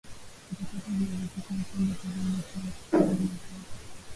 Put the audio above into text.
katakata viazi lishe vipande nne kwa kila kiazi au ukubwa unaotaka